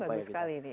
bagus sekali ini